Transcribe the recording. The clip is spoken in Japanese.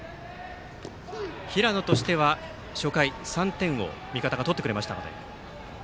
平野としては、初回３点を味方が取ってくれました。